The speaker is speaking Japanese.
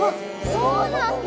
そうなんだ！